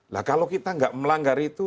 nah kalau kita tidak melanggar itu